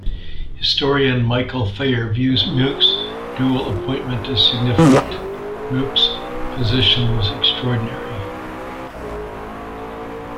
Historian Michael Phayer views Muench's dual appointment as significant: Muech's position was extraordinary.